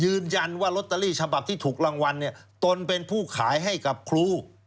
ยืนยันว่าลอตเตอรี่ฉบับที่ถูกรางวัลเนี่ยตนเป็นผู้ขายให้กับครู